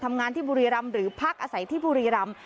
ทำงานที่บุรีรำหรือพักอาศัยที่บุรีรำ